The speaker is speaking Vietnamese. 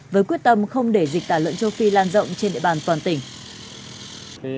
với quyết tâm không để dịch tả lợn châu phi lan rộng trên địa bàn toàn tỉnh